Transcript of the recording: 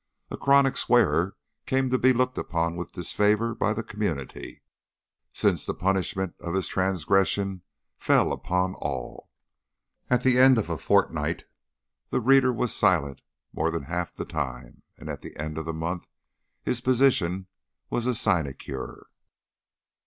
A chronic swearer came to be looked upon with disfavour by the community, since the punishment of his transgression fell upon all. At the end of a fortnight the reader was silent more than half the time, and at the end of the month his position was a sinecure.